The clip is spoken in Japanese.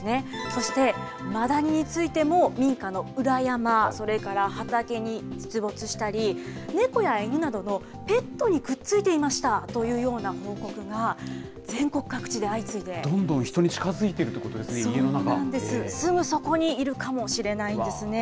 そしてマダニについても、民家の裏山、それから畑に出没したり、猫や犬などのペットにくっついていましたというような報告が、全どんどん人に近づいているとすぐそこにいるかもしれないんですね。